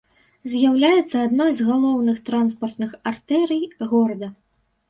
З'яўляецца адной з галоўных транспартных артэрый горада.